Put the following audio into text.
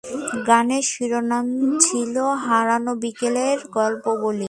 গানের শিরোনাম ছিলো ‘হারানো বিকেলের গল্প বলি’।